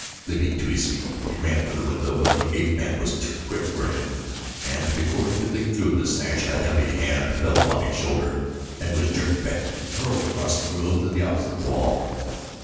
Leaping to his feet he ran for the window; but the ape man was too quick for him and before he could leap through the sash a heavy hand fell upon his shoulder and he was jerked back and hurled across the room to the opposite wall.